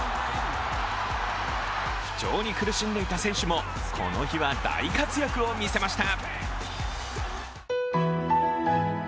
不調に苦しんでいた選手もこの日は大活躍を見せました。